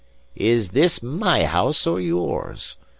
"Is this my house or yours?"